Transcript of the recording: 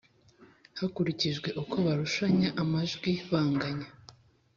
Hakurikijwe Uko Barushanya Amajwi Banganya